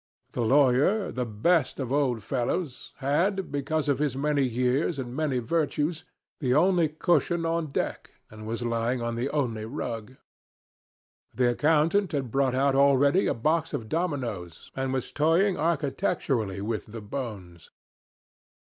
The Lawyer the best of old fellows had, because of his many years and many virtues, the only cushion on deck, and was lying on the only rug. The Accountant had brought out already a box of dominoes, and was toying architecturally with the bones.